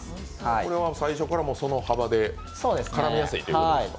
これは最初からその幅で、絡みやすいということですか？